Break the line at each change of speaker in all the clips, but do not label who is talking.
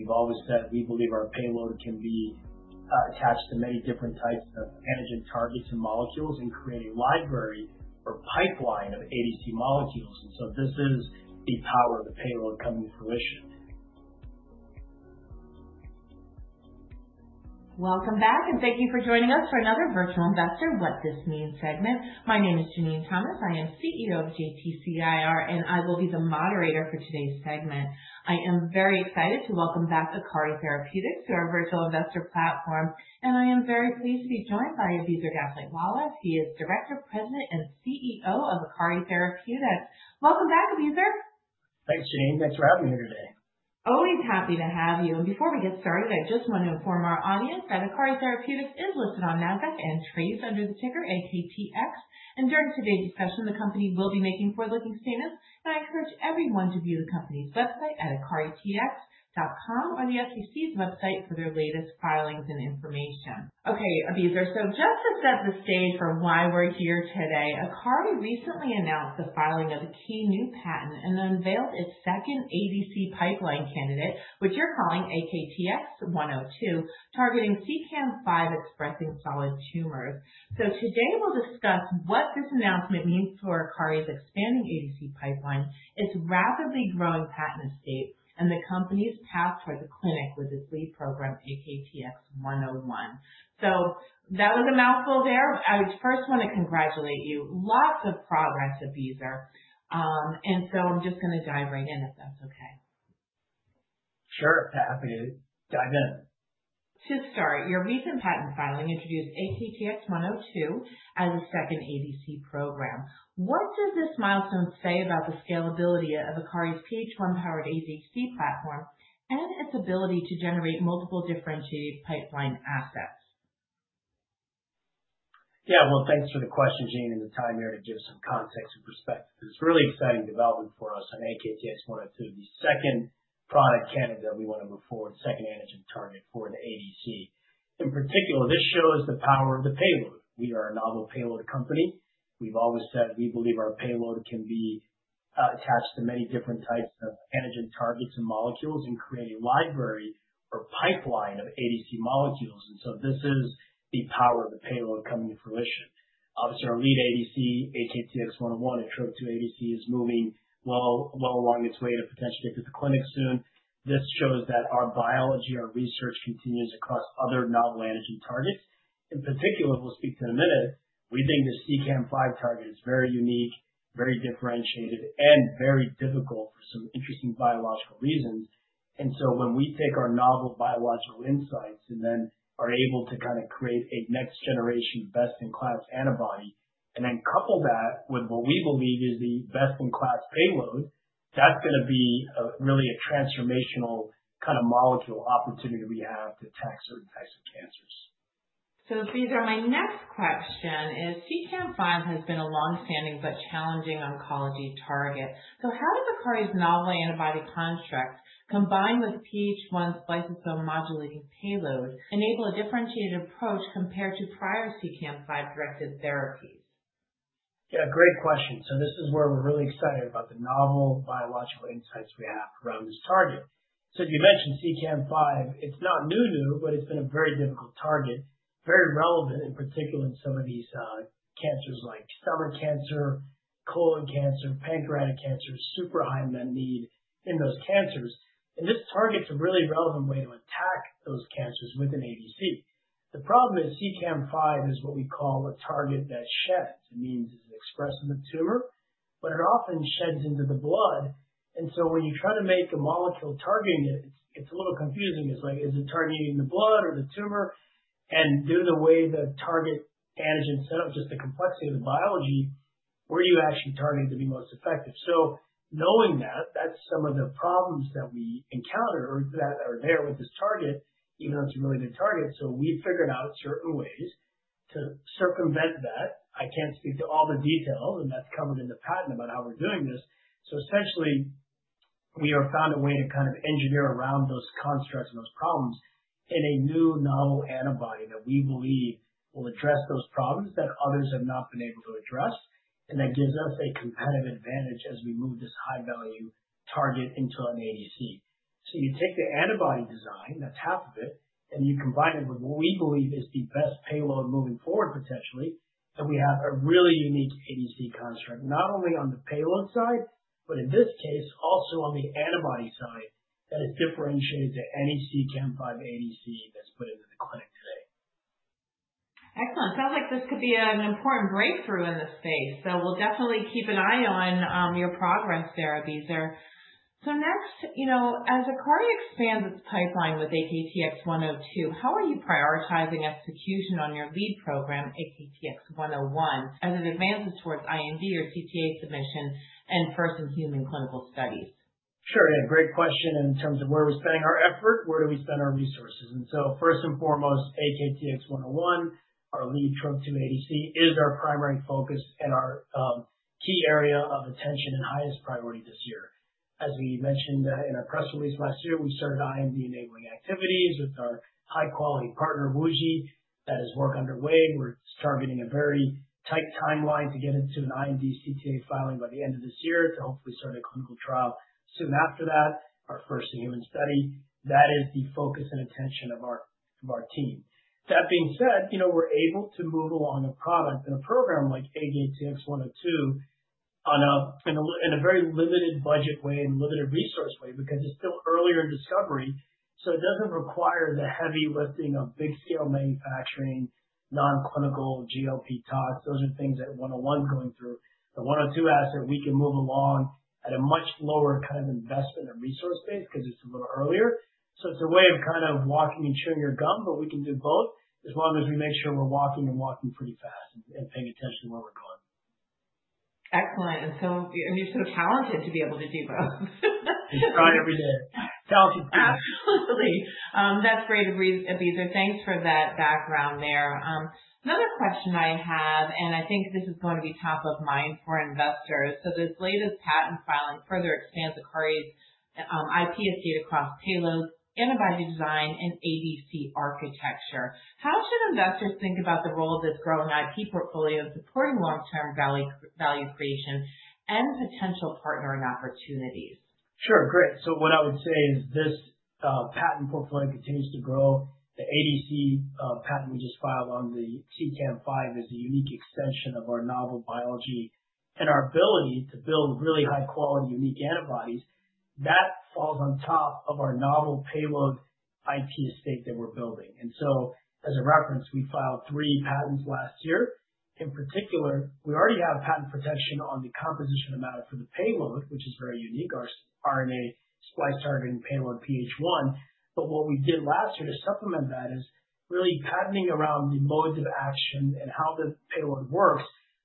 We've always said we believe our payload can be attached to many different types of antigen targets and molecules and create a library or pipeline of ADC molecules. And so this is the power of the payload coming to fruition.
Welcome back, and thank you for joining us for another Virtual Investor: What This Means segment. My name is Jenene Thomas. I am CEO of JTC IR, and I will be the moderator for today's segment. I am very excited to welcome back Akari Therapeutics to our Virtual Investor platform, and I am very pleased to be joined by Abizer Gaslightwala. He is Director, President, and CEO of Akari Therapeutics. Welcome back, Abizer.
Thanks, Jenene. Thanks for having me here today.
Always happy to have you. Before we get started, I just want to inform our audience that Akari Therapeutics is listed on NASDAQ and traded under the ticker AKTX. During today's discussion, the company will be making forward-looking statements, and I encourage everyone to view the company's website at akaritx.com or the SEC's website for their latest filings and information. Okay, Abizer, so just to set the stage for why we're here today, Akari recently announced the filing of a key new patent and unveiled its second ADC pipeline candidate, which you're calling AKTX-102, targeting CEACAM5 expressing solid tumors. Today we'll discuss what this announcement means for Akari's expanding ADC pipeline, its rapidly growing patent estate, and the company's path toward the clinic with its lead program, AKTX-101. That was a mouthful there. I first want to congratulate you. Lots of progress, Abizer. I'm just going to dive right in, if that's okay.
Sure. Happy to dive in.
To start, your recent patent filing introduced AKTX-102 as a second ADC program. What does this milestone say about the scalability of Akari's PH1-powered ADC platform and its ability to generate multiple differentiated pipeline assets?
Yeah, well, thanks for the question, Jenene, and the time here to give some context and perspective. It's really exciting development for us on AKTX-102, the second product candidate that we want to move forward, second antigen target for the ADC. In particular, this shows the power of the payload. We are a novel payload company. We've always said we believe our payload can be attached to many different types of antigen targets and molecules and create a library or pipeline of ADC molecules. And so this is the power of the payload coming to fruition. Obviously, our lead ADC, AKTX-101, a TROP2 ADC, is moving well along its way to potentially get to the clinic soon. This shows that our biology, our research, continues across other novel antigen targets. In particular, we'll speak to in a minute, we think the CEACAM5 target is very unique, very differentiated, and very difficult for some interesting biological reasons. And so when we take our novel biological insights and then are able to kind of create a next-generation best-in-class antibody and then couple that with what we believe is the best-in-class payload, that's going to be really a transformational kind of molecule opportunity we have to attack certain types of cancers.
Abizer, my next question is, CEACAM5 has been a longstanding but challenging oncology target. So how does Akari's novel antibody conjugate, combined with PH1's lysosome modulating payload, enable a differentiated approach compared to prior CEACAM5-directed therapies?
Yeah, great question. So this is where we're really excited about the novel biological insights we have around this target. So you mentioned CEACAM5. It's not new, new, but it's been a very difficult target, very relevant, in particular in some of these cancers like stomach cancer, colon cancer, pancreatic cancer, super high unmet need in those cancers. And this target's a really relevant way to attack those cancers with an ADC. The problem is CEACAM5 is what we call a target that sheds. It means it's expressed in the tumor, but it often sheds into the blood. And so when you try to make a molecule targeting it, it's a little confusing. It's like, is it targeting the blood or the tumor? And due to the way the target antigen setup, just the complexity of the biology, where do you actually target it to be most effective? So knowing that, that's some of the problems that we encounter or that are there with this target, even though it's a really good target. So we've figured out certain ways to circumvent that. I can't speak to all the details, and that's covered in the patent about how we're doing this. So essentially, we have found a way to kind of engineer around those constructs and those problems in a new novel antibody that we believe will address those problems that others have not been able to address. And that gives us a competitive advantage as we move this high-value target into an ADC. You take the antibody design, that's half of it, and you combine it with what we believe is the best payload moving forward, potentially, and we have a really unique ADC construct, not only on the payload side, but in this case, also on the antibody side that is differentiated to any CEACAM5 ADC that's put into the clinic today.
Excellent. Sounds like this could be an important breakthrough in this space. So we'll definitely keep an eye on your progress there, Abizer. So next, as Akari expands its pipeline with AKTX-102, how are you prioritizing execution on your lead program, AKTX-101, as it advances towards IND or CTA submission and first-in-human clinical studies?
Sure, yeah. Great question. In terms of where are we spending our effort, where do we spend our resources? First and foremost, AKTX-101, our lead Trop2 ADC, is our primary focus and our key area of attention and highest priority this year. As we mentioned in our press release last year, we started IND-enabling activities with our high-quality partner, WuXi. That is work underway. We're targeting a very tight timeline to get into an IND CTA filing by the end of this year to hopefully start a clinical trial soon after that, our first-in-human study. That is the focus and attention of our team. That being said, we're able to move along a product and a program like AKTX-102 in a very limited budget way and limited resource way because it's still earlier in discovery. So, it doesn't require the heavy lifting of big-scale manufacturing, non-clinical GLP tox. Those are things that 101's going through. The 102 asset, we can move along at a much lower kind of investment and resource base because it's a little earlier. So, it's a way of kind of walking and chewing your gum, but we can do both as long as we make sure we're walking and walking pretty fast and paying attention to where we're going.
Excellent. And so you're sort of talented to be able to do both.
We try every day. Talented team.
Absolutely. That's great, Abizer. Thanks for that background there. Another question I have, and I think this is going to be top of mind for investors. So this latest patent filing further expands Akari's IP estate across payloads, antibody design, and ADC architecture. How should investors think about the role of this growing IP portfolio in supporting long-term value creation and potential partnering opportunities?
Sure, great. So what I would say is this patent portfolio continues to grow. The ADC patent we just filed on the CEACAM5 is a unique extension of our novel biology and our ability to build really high-quality, unique antibodies. That falls on top of our novel payload IP estate that we're building. And so as a reference, we filed three patents last year. In particular, we already have patent protection on the composition of matter for the payload, which is very unique, our RNA splicing targeting payload PH1. But what we did last year to supplement that is really patenting around the modes of action and how the payload works.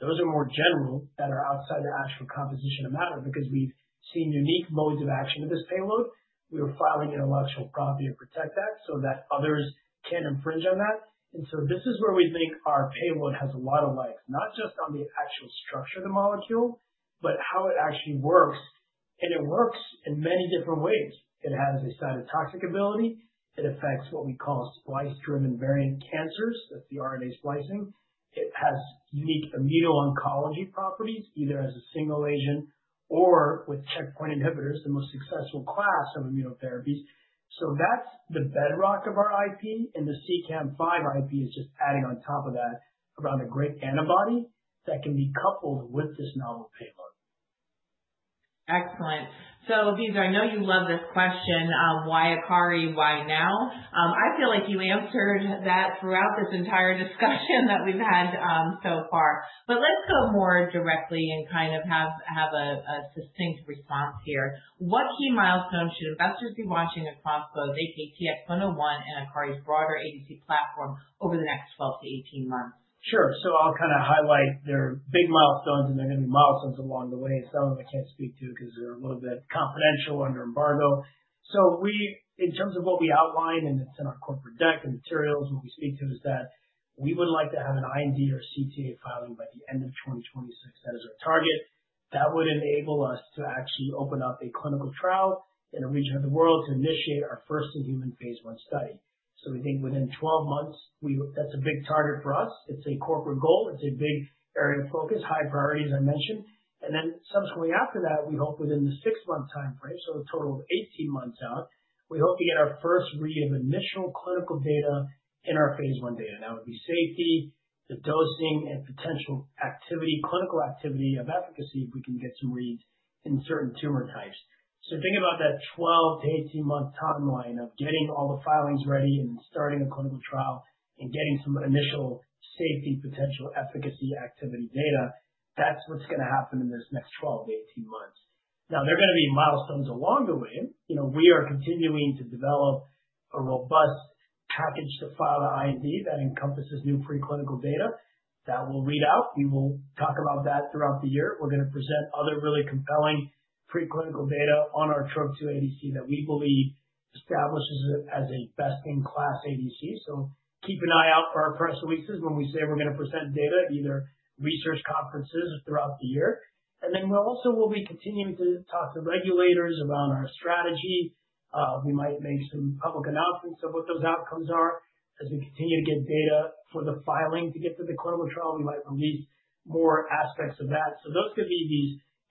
Those are more general that are outside the actual composition of matter because we've seen unique modes of action of this payload. We were filing an intellectual property or protect act so that others can infringe on that. This is where we think our payload has a lot of legs, not just on the actual structure of the molecule, but how it actually works. It works in many different ways. It has a cytotoxic ability. It affects what we call splice-driven variant cancers. That's the RNA splicing. It has unique immuno-oncology properties, either as a single agent or with checkpoint inhibitors, the most successful class of immunotherapies. That's the bedrock of our IP. The CEACAM5 IP is just adding on top of that around a great antibody that can be coupled with this novel payload.
Excellent. So Abizer, I know you love this question, why Akari, why now? I feel like you answered that throughout this entire discussion that we've had so far. But let's go more directly and kind of have a succinct response here. What key milestones should investors be watching across both AKTX-101 and Akari's broader ADC platform over the next 12-18 months?
Sure. So I'll kind of highlight there are big milestones, and there are going to be milestones along the way. Some of them I can't speak to because they're a little bit confidential under embargo. So in terms of what we outline, and it's in our corporate deck and materials, what we speak to is that we would like to have an IND or CTA filing by the end of 2026. That is our target. That would enable us to actually open up a clinical trial in a region of the world to initiate our first-in-human phase 1 study. So we think within 12 months, that's a big target for us. It's a corporate goal. It's a big area of focus, high priorities, I mentioned. Then subsequently after that, we hope within the 6-month time frame, so a total of 18 months out, we hope to get our first read of initial clinical data in our phase 1 data. That would be safety, the dosing, and potential activity, clinical activity of efficacy if we can get some reads in certain tumor types. So think about that 12- to 18-month timeline of getting all the filings ready and then starting a clinical trial and getting some initial safety, potential efficacy activity data. That's what's going to happen in this next 12-18 months. Now, there are going to be milestones along the way. We are continuing to develop a robust package to file the IND that encompasses new preclinical data that we'll read out. We will talk about that throughout the year. We're going to present other really compelling preclinical data on our Trop2 ADC that we believe establishes it as a best-in-class ADC. So keep an eye out for our press releases when we say we're going to present data at either research conferences throughout the year. And then we'll also be continuing to talk to regulators around our strategy. We might make some public announcements of what those outcomes are as we continue to get data for the filing to get to the clinical trial. We might release more aspects of that. So those could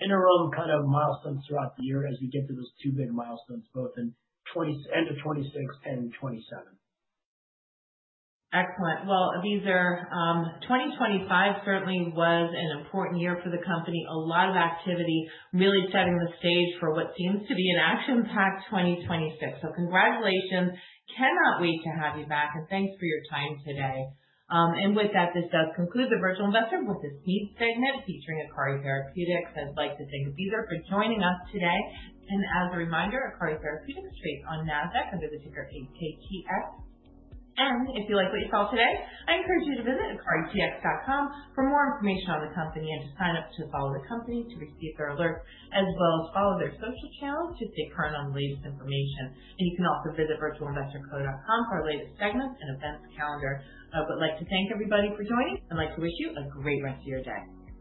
be these interim kind of milestones throughout the year as we get to those two big milestones, both end of 2026 and 2027.
Excellent. Well, Abizer, 2025 certainly was an important year for the company, a lot of activity, really setting the stage for what seems to be an action-packed 2026. So congratulations. Cannot wait to have you back, and thanks for your time today. And with that, this does conclude the Virtual Investor: With This Means segment featuring Akari Therapeutics. I'd like to thank Abizer for joining us today. And as a reminder, Akari Therapeutics trades on NASDAQ under the ticker AKTX. And if you like what you saw today, I encourage you to visit akaritx.com for more information on the company and to sign up to follow the company to receive their alerts, as well as follow their social channels to stay current on the latest information. And you can also visit virtualinvestorco.com for our latest segments and events calendar. I'd like to thank everybody for joining, and I'd like to wish you a great rest of your day.